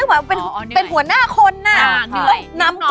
แฟม